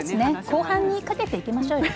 後半にかけていきましょうよ。